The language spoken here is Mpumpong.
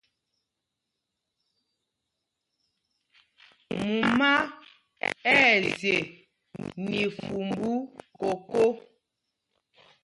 Mumá ɛ̂ zye nɛ ifumbú koko.